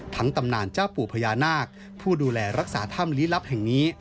ตำนานเจ้าปู่พญานาคผู้ดูแลรักษาถ้ำลี้ลับแห่งนี้